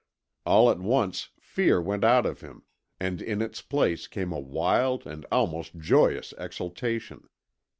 All at once fear went out of him and in its place came a wild and almost joyous exultation.